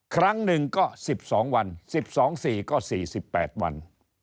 ครั้งหนึ่งก็๑๒วัน๑๒๔ก็๔๘วัน